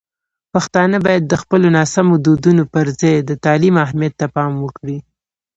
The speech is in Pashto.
پښتانه باید د خپلو ناسمو دودونو پر ځای د تعلیم اهمیت ته پام وکړي.